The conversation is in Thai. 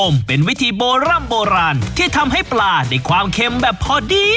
เป็นวิธีโบร่ำโบราณที่ทำให้ปลาได้ความเค็มแบบพอดี